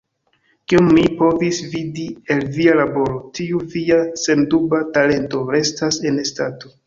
Kiom mi povis vidi el via laboro, tiu via senduba talento restas en stato.